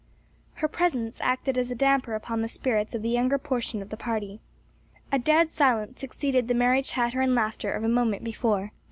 Her presence acted as a damper upon the spirits of the younger portion of the party. A dead silence succeeded the merry chatter and laughter of a moment before.